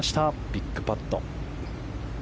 ビッグパット。